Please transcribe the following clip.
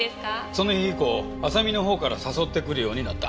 その日以降亜沙美の方から誘ってくるようになった。